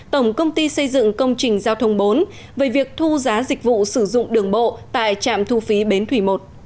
tổng công ty xây dựng công trình giao thông bốn về việc thu giá dịch vụ sử dụng đường bộ tại trạm thu phí bến thủy một